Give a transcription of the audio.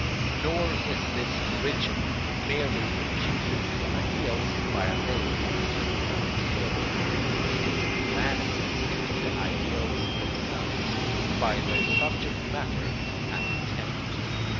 Nor is this origin merely imputed to ideals by a late and cynical observer: it is manifest in the ideals themselves, by their subject matter and intent.